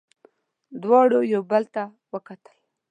دواړو یو بل ته وکتل.